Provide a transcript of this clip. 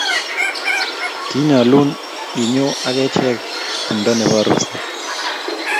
kinyolun inyo ak achek tumdo nebo arusit